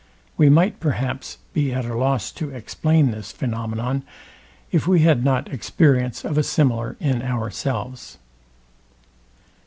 We might, perhaps, be at a loss to explain this phænomenon, if we had not experience of a similar in ourselves.